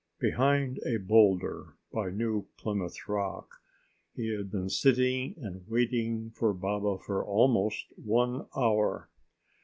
Behind a boulder by New Plymouth Rock, he had been sitting and waiting for Baba for almost one hour.